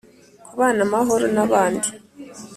Kubana amahoro n abandi